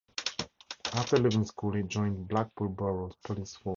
After leaving school he joined Blackpool Borough Police force.